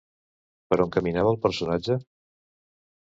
Per on caminava el personatge?